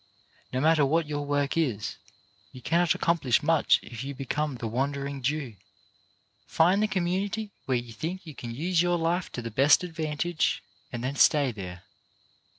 No matter what your work is, you cannot accomplish much if you become the wandering Jew. Find the community where you think you can use your life to the best advantage, and then stay there.